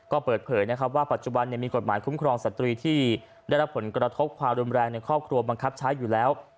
ก็เปิดเผยนะครับว่าปัจจุบันมีกฎหมายคุ้มครองสตรีที่ได้รับผลกระทบความรุนแรงในครอบครัวบังคับใช้อยู่แล้ว